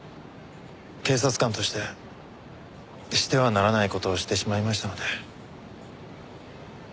警察官としてしてはならない事をしてしまいましたので。